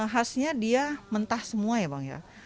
khasnya dia mentah semua ya bang ya